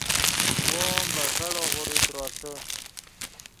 وو ام ڤے کیڑو غوریت روسے